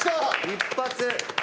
一発！